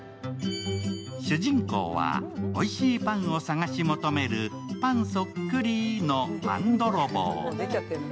主人公は、おいしいパンを探し求めるパンそっくりのパンどろぼう。